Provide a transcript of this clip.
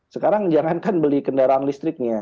sekarang jangankan beli kendaraan listriknya